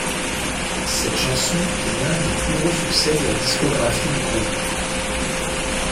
Cette chanson est l'un des plus gros succès de la discographie du groupe.